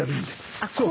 あっこう。